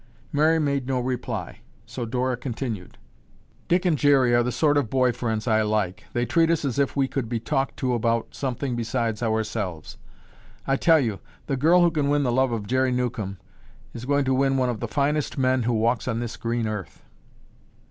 Mary made no reply, so Dora continued, "Dick and Jerry are the sort of boy friends I like. They treat us as if we could be talked to about something besides ourselves. I tell you, the girl who can win the love of Jerry Newcomb is going to win one of the finest men who walks on this green earth."